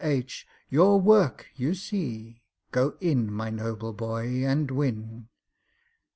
H., "Your work you see— Go in, my noble boy, and win."